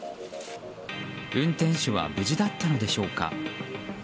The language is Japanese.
運転手は無事だったのでしょうか。